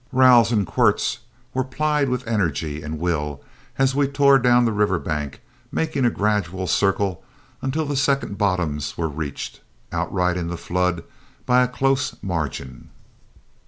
Rowels and quirts were plied with energy and will, as we tore down the river bank, making a gradual circle until the second bottoms were reached, outriding the flood by a close margin.